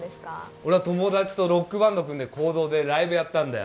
俺は友達とロックバンド組んで講堂でライブやったんだよ